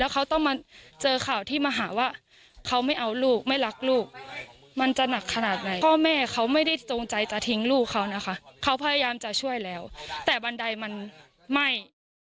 ขนาดไหนพ่อแม่เขาไม่ได้ตรงใจจะทิ้งลูกเขานะคะเขาพยายามจะช่วยแล้วแต่บันไดมันไหม้